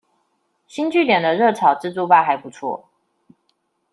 星聚點的熱炒自助吧還不錯